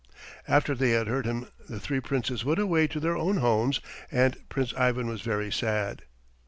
After they had heard him the three Princes went away to their own homes, and Prince Ivan was very sad.